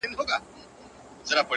هېر مې شو، چې پیغام ورته وکړم